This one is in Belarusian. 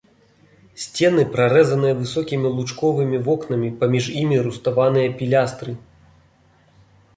Сцены прарэзаныя высокімі лучковымі вокнамі, паміж імі руставаныя пілястры.